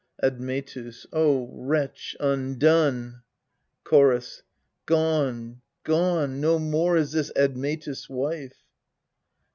Admetus. O wretch undone ! Chorus. Gone gone ! No more is this Admetus' wife